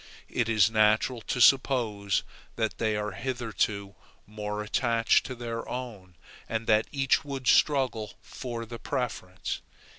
It is natural to suppose that they are hitherto more attached to their own, and that each would struggle for the preference.